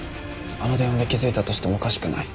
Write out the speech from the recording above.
あの電話で気づいたとしてもおかしくない。